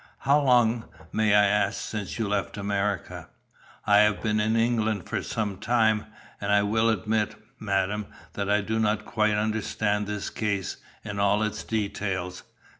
How long, may I ask, since you left America?" "I have been in England for some time, and I will admit, madam, that I do not quite understand this case in all its details.